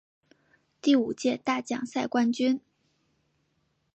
第五届大奖赛冠军。